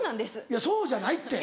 いやそうじゃないって。